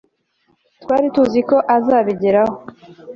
Twari tuzi ko azabigeraho